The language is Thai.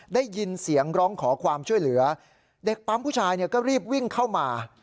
ได้ยินเสียงร้องขอความช่วยเหลือเด็กปั๊มผู้ชายเนี่ยก็รีบวิ่งเข้ามา